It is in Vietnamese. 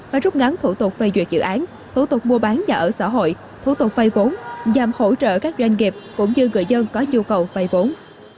và rút ngắn thủ tục phê duyệt dự án thủ tục mua bán nhà ở xã hội thủ tục vay vốn nhằm hỗ trợ các doanh nghiệp cũng như người dân có nhu cầu vay vốn